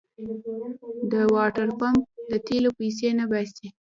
د واټرپمپ د تېلو پيسې نه باسي.